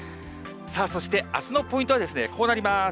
さあ、そしてあすのポイントはこうなります。